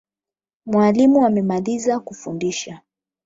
Mwalimu amemaliza kufundisha